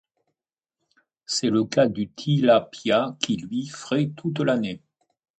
C'est le cas du Tilapia qui, lui, fraie toute l'année.